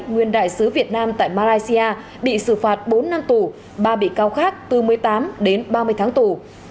nguyên đại sứ việt nam tại malaysia bị xử phạt bốn năm tù ba bị cáo khác từ một mươi tám đến ba mươi tháng tù